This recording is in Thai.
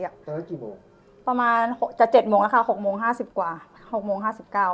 เจอแล้วกี่โมงประมาณหกจะเจ็ดโมงแล้วค่ะหกโมงห้าสิบกว่าหกโมงห้าสิบเก้า